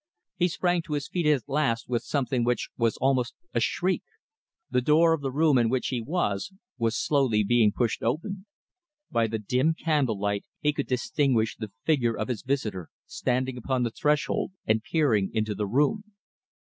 He sprang to his feet at last with something which was almost a shriek. The door of the room in which he was, was slowly being pushed open. By the dim candlelight he could distinguish the figure of his visitor standing upon the threshold and peering into the room.